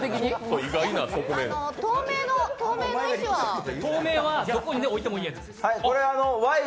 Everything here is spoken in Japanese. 透明はどこに置いてもいいです。